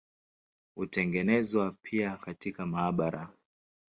Hutengenezwa pia katika maabara.